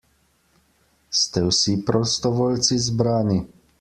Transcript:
Ste vsi prostovoljci zbrani?